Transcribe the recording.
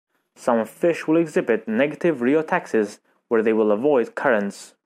Some fish will exhibit negative rheotaxis where they will avoid currents.